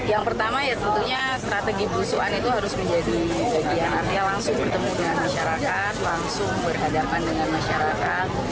yang pertama ya tentunya strategi belusuan itu harus menjadi bagian artinya langsung bertemu dengan masyarakat langsung berhadapan dengan masyarakat